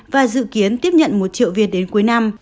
và dự kiến tiếp nhận một triệu viên đến cuối năm